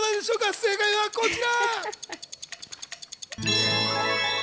正解はこちら。